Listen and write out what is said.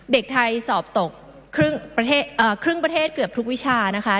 เด็กไทยสอบตกครึ่งประเทศเกือบทุกวิชานะคะ